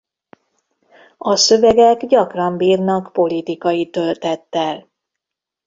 A szövegek gyakran bírnak politikai töltettel.